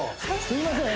すいません